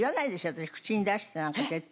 私口に出してなんか絶対。